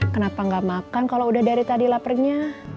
kenapa nggak makan kalau udah dari tadi laparnya